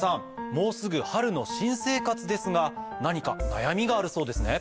もうすぐ春の新生活ですが何か悩みがあるそうですね。